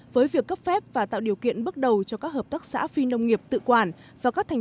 với việc cấp phép và tạo điều kiện bước đầu cho các hợp tác xã phi nông nghiệp tự quản và các thành